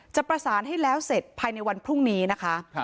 จะประสานให้แล้วเสร็จภายในวันพรุ่งนี้นะคะ